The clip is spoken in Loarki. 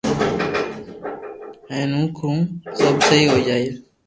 ھين ڪيو ھون ڪو سب سھي ھوئي جائي